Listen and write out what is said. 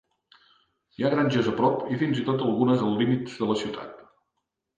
Hi ha granges a prop i fins i tot algunes als límits de la ciutat.